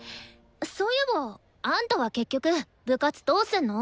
そういえばあんたは結局部活どうすんの？